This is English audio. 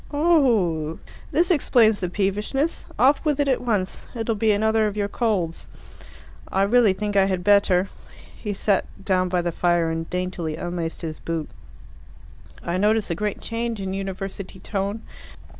"Oho! This explains the peevishness. Off with it at once. It'll be another of your colds." "I really think I had better." He sat down by the fire and daintily unlaced his boot. "I notice a great change in university tone.